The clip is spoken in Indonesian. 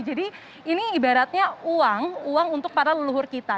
jadi ini ibaratnya uang uang untuk para leluhur kita